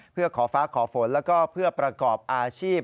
เพื่อขอฟ้าขอฝนแล้วก็เพื่อประกอบอาชีพ